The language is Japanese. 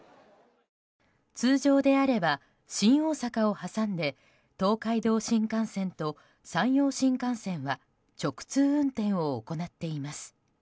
通常であれば、新大阪を挟んで東海道新幹線と山陽新幹線は直通運転を行っています。